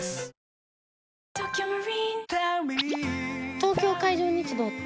東京海上日動って？